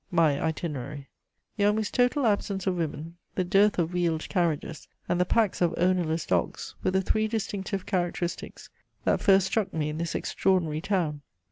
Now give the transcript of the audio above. MY ITINERARY. "The almost total absence of women, the dearth of wheeled carriages, and the packs of ownerless dogs were the three distinctive characteristics that first struck me in this extraordinary town.